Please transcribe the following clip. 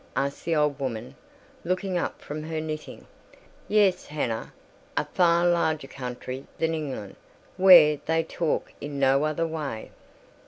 asked the old woman, looking up from her knitting. "Yes, Hannah—a far larger country than England, where they talk in no other way."